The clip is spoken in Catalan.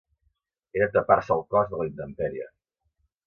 Era tapar-se'l cos de l'intemperie